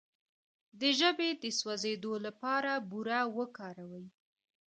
د ژبې د سوځیدو لپاره بوره وکاروئ